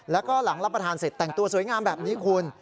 แล้วก็หลังรับประทานเสร็จแต่งตัวสวยงามแบบนี้คุณ